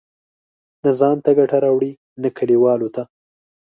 نه ځان ته ګټه راوړي، نه کلیوالو ته.